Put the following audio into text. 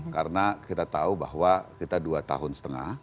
karena kita tahu bahwa kita dua tahun setengah